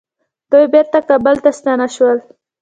دوی بیرته کابل ته ستانه شول.